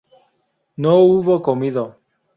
no hubo comido